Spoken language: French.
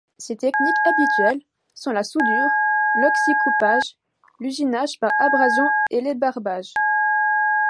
Ses techniques habituelles sont la soudure, l'oxycoupage, l'usinage par abrasion et l'ébarbage.